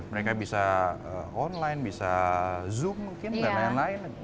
mereka bisa online bisa zoom mungkin dan lain lain